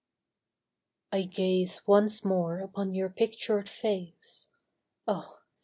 I GAZE once more upon your pictured face, Oh